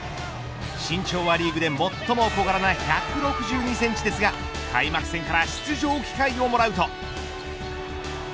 身長はリーグで最も小柄な１６２センチですが開幕戦から出場機会をもらうと。